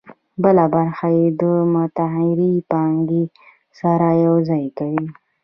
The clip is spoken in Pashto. بله برخه یې له متغیرې پانګې سره یوځای کوي